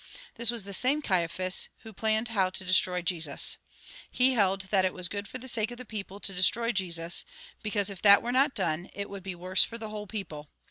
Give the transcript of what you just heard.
This was the same Caiaphas who planned how to destroy Jesus. He held that it was good for the sake of the people to destroy Jesus, because, if that were not done, it would be worse for the whole people.